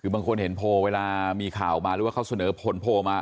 บางคนเห็นโพลเวลามีข่าวออกมาหรือว่าเขาส่วนเอิญปนโพลออกมา